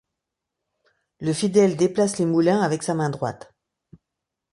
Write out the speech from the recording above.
Le fidèle déplace les moulins avec sa main droite.